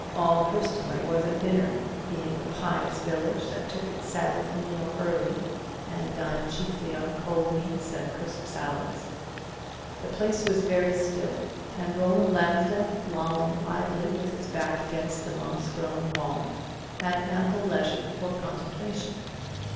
All Hurstonleigh was at dinner, being a pious village that took its sabbath meal early, and dined chiefly on cold meats and crisp salads. The place was very still: and Roland Lansdell, lolling idly with his back against the moss grown wall, had ample leisure for contemplation.